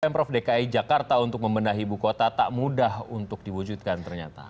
pemprov dki jakarta untuk membenahi ibu kota tak mudah untuk diwujudkan ternyata